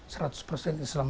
satu persen islam